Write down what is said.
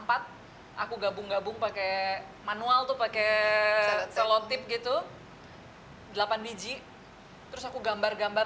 empat aku gabung gabung pakai manual tuh pakai selotip gitu delapan biji terus aku gambar gambar